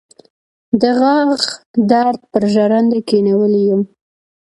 د غاښ درد پر ژرنده کېنولی يم.